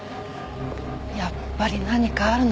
やっぱり何かあるのかも。